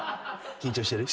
緊張してる？